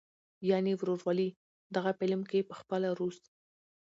يعنې "وروولي". دغه فلم کښې پخپله روس